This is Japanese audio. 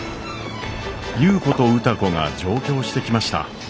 優子と歌子が上京してきました。